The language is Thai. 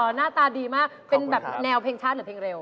หน้าตาดีมากเป็นแบบแนวเพลงชาติหรือเพลงเร็ว